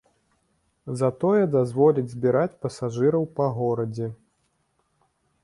Затое дазволіць збіраць пасажыраў па горадзе.